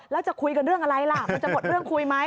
แล้วจะคุยกันเรื่องอะไรล่ะมันจะหมดเรื่องคุยไหม